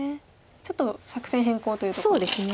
ちょっと作戦変更というところですか。